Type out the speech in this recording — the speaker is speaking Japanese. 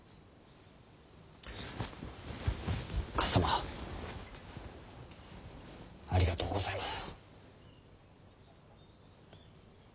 かっさまありがとうございます。